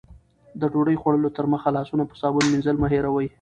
د ډوډۍ خوړلو تر مخه لاسونه په صابون مینځل مه هېروئ.